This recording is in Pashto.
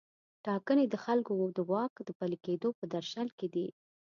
ټاکنې د خلکو د واک د پلي کیدو په درشل کې دي.